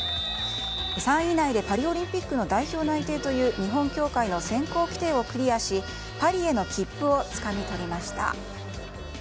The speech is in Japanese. ３位以内でパリオリンピック代表内定という日本協会の選考規定をクリアしパリへの切符をつかみ取りました。